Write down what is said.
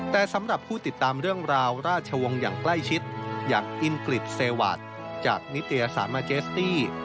แต่สำหรับผู้ติดตามเรื่องราวราชวงศ์อย่างใกล้ชิดอย่างอินกฤษเซวาสจากนิตยสารมาเจสตี้